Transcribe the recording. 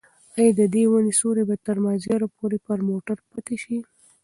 ایا د دې ونې سیوری به تر مازدیګره پورې پر موټر پاتې شي؟